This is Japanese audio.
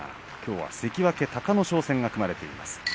きょうは関脇隆の勝戦が組まれています。